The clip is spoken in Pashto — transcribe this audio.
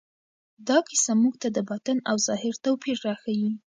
دا کیسه موږ ته د باطن او ظاهر توپیر راښيي.